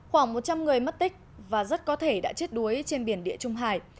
khoảng một trăm linh người mất tích và rất có thể đã chết đuối trên biển địa trung hải